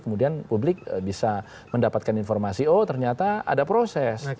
kemudian publik bisa mendapatkan informasi oh ternyata ada proses